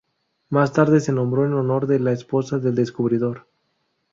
Más tarde se nombró en honor de la esposa del descubridor.